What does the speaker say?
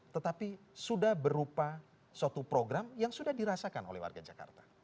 tetapi sudah berupa suatu program yang sudah dirasakan oleh warga jakarta